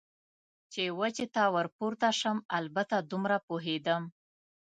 چې وچې ته ور پورته شم، البته دومره پوهېدم.